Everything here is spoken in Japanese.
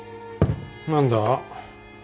何だ？